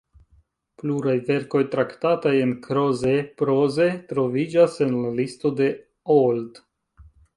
Pluraj verkoj traktataj en Kroze – proze troviĝas en la listo de Auld.